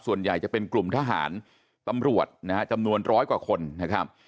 ส่วนใหญ่จะเป็นกลุ่มทหารตำรวจนะฮะจำนวนร้อยกว่าคนนะครับ